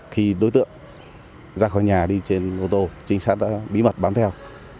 khi đối tượng ra khỏi nhà đi trên ô tô trinh sát đã bí mật bám theo